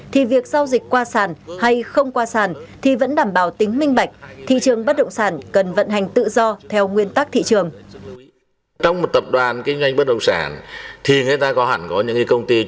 thì việc giao dịch qua sản hay không qua sản thì vẫn đảm bảo tính minh bạch thị trường bất động sản cần vận hành tự do theo nguyên tắc thị trường